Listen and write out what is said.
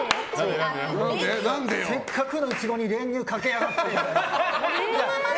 せっかくのイチゴに練乳かけやがってって。